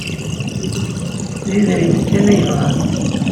D idrimen kan ay bɣant.